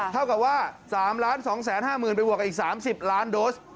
เท่ากับว่า๓๒๕๐๐๐ไปบวกกับอีก๓๐ล้านโดส